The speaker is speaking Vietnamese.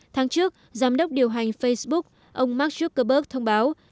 tháng trước giám đốc điều hành facebook ông mark zuckerberg thông báo